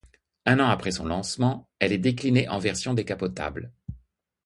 Un an après son lancement, elle est déclinée en version décapotable.